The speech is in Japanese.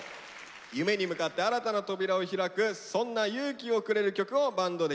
夢に向かって新たな扉を開くそんな勇気をくれる曲をバンドで披露してくれます。